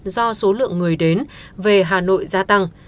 do số lượng người đến về hà nội gia tăng